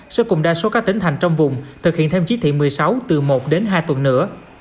sẽ cùng đa số các tỉnh thành trong vùng thực hiện thêm chí thị một mươi sáu từ một đến hai tuần nữa